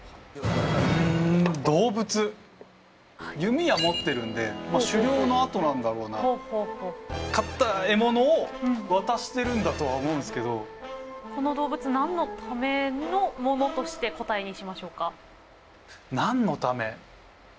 うん弓矢持ってるんで狩猟のあとなんだろうな。狩った獲物を渡してるんだとは思うんすけど。として答えにしましょうか？